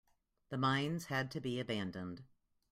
The mines had to be abandoned.